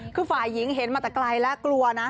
คือฝ่ายหญิงเห็นมาแต่ไกลแล้วกลัวนะ